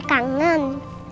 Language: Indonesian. nanti aku kangen